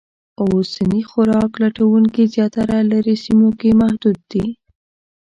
اوسني خوراک لټونکي زیاتره لرې سیمو کې محدود دي.